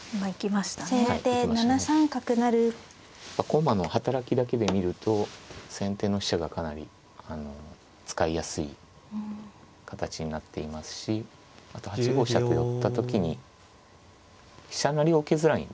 駒の働きだけで見ると先手の飛車がかなりあの使いやすい形になっていますしあと８五飛車と寄った時に飛車成りを受けづらいんですね。